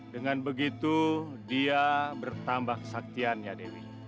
dengan begitu dia bertambah kesaktiannya dewi